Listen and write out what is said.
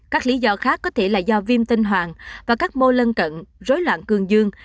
có thể là do viêm tinh hoàng và các mô lân cận rối loạn cường dương